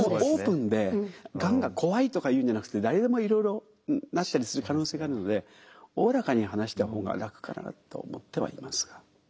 オープンでがんが怖いとかいうんじゃなくて誰でもいろいろなったりする可能性があるのでおおらかに話した方が楽かなと思ってはいますが。